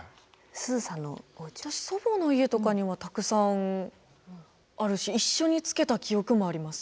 祖母の家とかにはたくさんあるし一緒につけた記憶もあります。